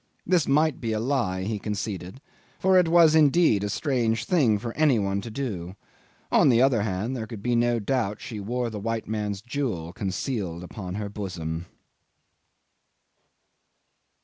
This might be a lie, he conceded, for it was indeed a strange thing for any one to do: on the other hand, there could be no doubt she wore the white man's jewel concealed upon her bosom.